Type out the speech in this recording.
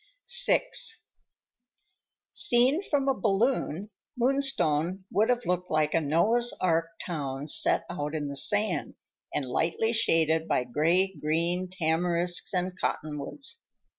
VI Seen from a balloon, Moonstone would have looked like a Noah's ark town set out in the sand and lightly shaded by gray green tamarisks and cottonwoods.